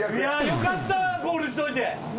よかったゴールしといて。